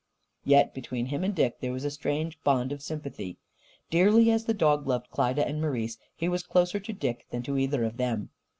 Yet between him and Dick there was a strange bond of sympathy. Dearly as the dog loved Klyda and Marise, he was closer to Dick than to either of them.